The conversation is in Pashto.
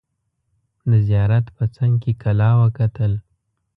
د زیارت په څنګ کې کلا وکتل.